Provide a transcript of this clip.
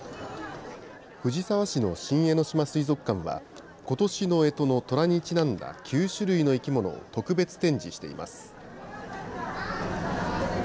藤沢市の新江ノ島水族館はことしのえとのとらにちなんだ９種類の生き物を特別展示しています。